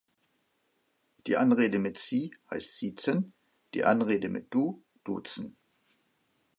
Die Anrede mit „Sie“ heißt Siezen, die Anrede mit „Du“ Duzen.